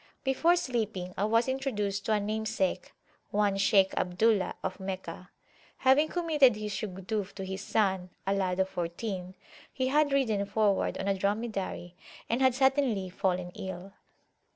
Before sleeping I was introduced to a namesake, one Shaykh Abdullah, of Meccah. Having committed his Shugduf to his son, a lad of fourteen, he had ridden forward on a dromedary, and had suddenly fallen ill.